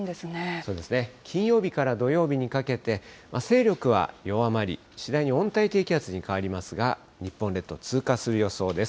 そうですね、金曜日から土曜日にかけて勢力は弱まり、次第に温帯低気圧に変わりますが、日本列島を通過する予想です。